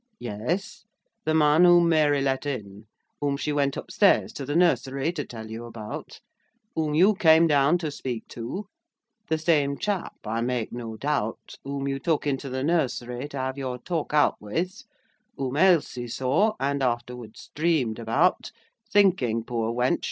"Yes; the man whom Mary let in; whom she went up stairs to the nursery to tell you about; whom you came down to speak to; the same chap, I make no doubt, whom you took into the nursery to have your talk out with; whom Ailsie saw, and afterwards dreamed about; thinking, poor wench!